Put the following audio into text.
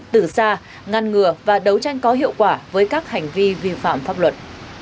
từ xa ngăn ngừa và đấu tranh có hiệu quả với các hành vi vi phạm pháp luật